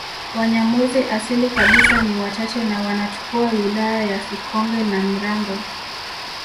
Wanyamwezi asili kabisa ni wachache na wanachukua wilaya ya Sikonge na Mirambo